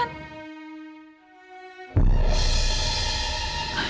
masih bisa diselamatkan